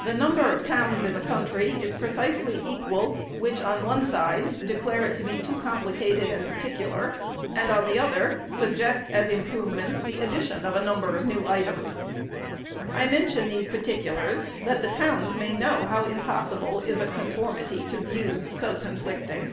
The number of towns in the country is precisely equal, which, on one side, declare it to be too complicated and particular; and, on the other, suggest, as improvements, the addition of a number of new items. I mention these particulars, that the towns may know how impossible is a conformity to views so conflicting.